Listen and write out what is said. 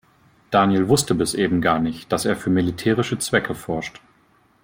Daniel wusste bis eben gar nicht, dass er für militärische Zwecke forscht.